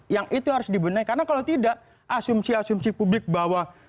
yang itu harus dibenahi karena kalau tidak asumsi asumsi publik bahwa